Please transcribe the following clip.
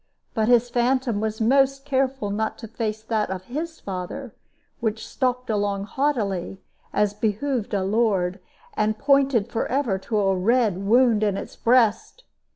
But his phantom was most careful not to face that of his father, which stalked along haughtily, as behooved a lord, and pointed forever to a red wound in its breast.